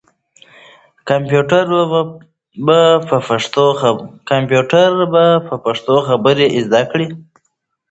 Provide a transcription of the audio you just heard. کمپیوټر به په پښتو خبرې کول زده کړي.